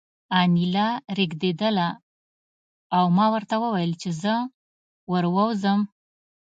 انیلا رېږېدله او ما ورته وویل چې زه ور ووځم